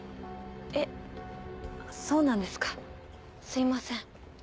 えっそうなんですかすいません。